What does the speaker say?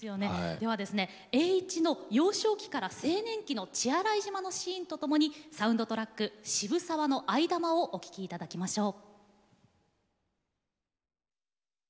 ではですね栄一の幼少期から青年期の血洗島のシーンと共にサウンドトラック「渋沢の藍玉」をお聴きいただきましょう。